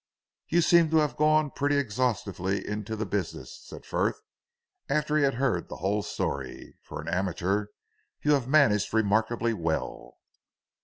"You seem to have gone pretty exhaustively into the business," said Frith after he had heard the whole story, "for an amateur you have managed remarkably well."